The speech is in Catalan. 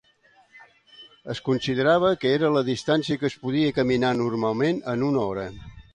Es considerava que era la distància que es podia caminar normalment en una hora.